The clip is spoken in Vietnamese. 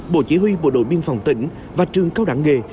bộ chỉ huy bộ đội biên phòng tỉnh và trường cao đẳng nghề